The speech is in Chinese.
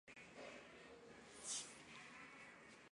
已消耗的电力可经过量度阴极的重量而断定。